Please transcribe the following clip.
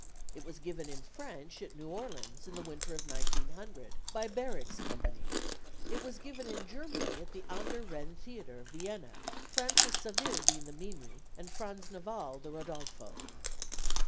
It was given in French at New Orleans in the winter of 1900 by Barrich's Company. It was first given in Germany at the Ander Wren Theatre, Vienna, Frances Saville being the Mimi and Franz Naval the Rodolfo.